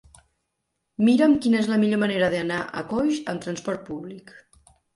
Mira'm quina és la millor manera d'anar a Coix amb transport públic.